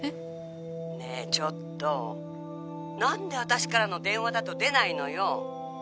「ねえちょっとなんで私からの電話だと出ないのよ」